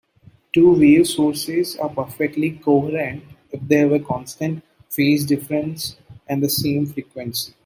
Two-wave sources are perfectly coherent if they have a constant phase difference and the same frequency.